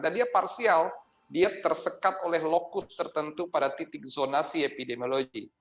dan dia parsial dia tersekat oleh lokus tertentu pada titik zonasi epidemiologi